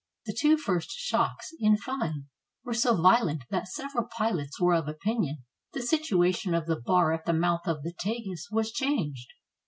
The two first shocks, in fine, were so violent that several pilots were of opinion the situation of the bar at the mouth of the Tagus was changed.